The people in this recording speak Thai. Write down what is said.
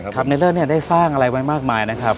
ในเลิศเนี่ยได้สร้างอะไรไว้มากมายนะครับ